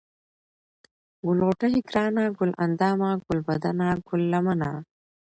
ګل غوټۍ ، گرانه ، گل اندامه ، گلبدنه ، گل لمنه ،